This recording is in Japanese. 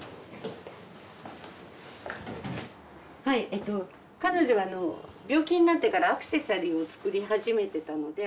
はいええと彼女が病気になってからアクセサリーを作り始めてたので。